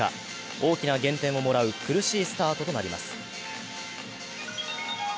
大きな減点をもらう苦しいスタートとなります。